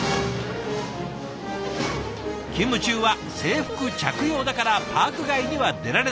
勤務中は制服着用だからパーク外には出られない。